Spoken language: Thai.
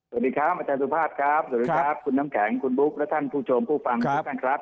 สวัสดีครับอาจารย์สุภาพครับสวัสดีครับคุณน้ำแข็งคุณบุ๊คและท่านผู้ชมผู้ฟังทุกท่านครับ